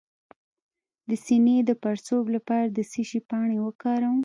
د سینې د پړسوب لپاره د څه شي پاڼې وکاروم؟